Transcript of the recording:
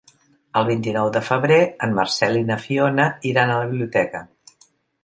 El vint-i-nou de febrer en Marcel i na Fiona iran a la biblioteca.